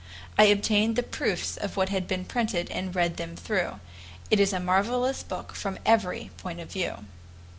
I obtained the proofs of what had been printed and read them through. It is a marvelous book from every point of view.